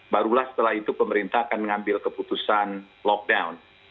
barulah setelah itu pemerintah akan mengambil keputusan lockdown